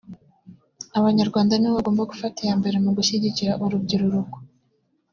Abanyarwanda nibo bagomba gufata iya mbere mu gushyigikira urubyiruruko